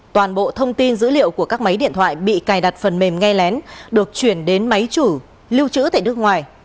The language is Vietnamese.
toàn bộ thông tin dữ liệu của các máy điện thoại bị cài đặt phần mềm nghe lén được chuyển đến máy chủ lưu trữ tại nước ngoài